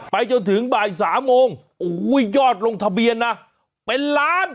จนถึงบ่ายสามโมงโอ้โหยอดลงทะเบียนนะเป็นล้าน